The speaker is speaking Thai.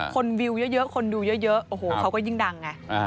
วิวเยอะคนดูเยอะโอ้โหเขาก็ยิ่งดังไง